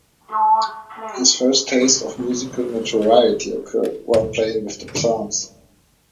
His first taste of musical notoriety occurred while playing with the Psalms.